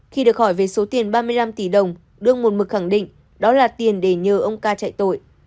khi được hỏi về số tiền ba mươi năm tỷ đồng đương một mực khẳng định đó là tiền để nhờ ông ca chạy tội